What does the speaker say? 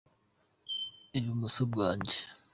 ibumoso bwanjye.